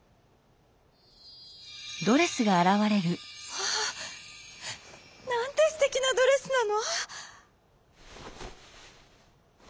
「まあなんてすてきなドレスなの！」。